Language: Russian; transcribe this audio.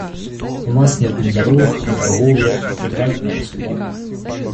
У нас нет ни дорог, ни торговли, ни правильного суда.